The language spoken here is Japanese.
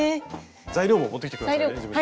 材料も持ってきて下さいね